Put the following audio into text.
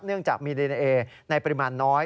เนื่องจากมีดีเอนเอในปริมาณน้อย